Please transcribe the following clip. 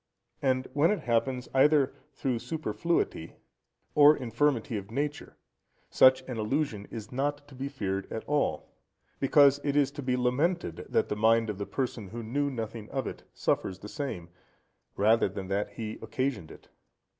And when it happens either through superfluity or infirmity of nature, such an illusion is not to be feared at all, because it is to be lamented, that the mind of the person, who knew nothing of it, suffers the same, rather than that he occasioned it.